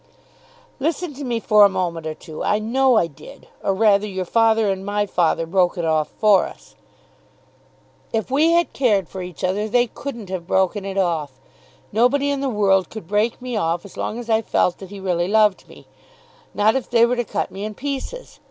"Listen to me for a moment or two. I know I did. Or, rather, your father and my father broke it off for us." "If we had cared for each other they couldn't have broken it off. Nobody in the world could break me off as long as I felt that he really loved me; not if they were to cut me in pieces.